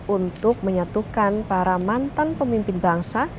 untuk menyatukan para mantan pemimpin bangsa